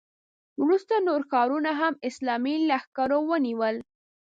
وروسته نور ښارونه هم اسلامي لښکرو ونیول.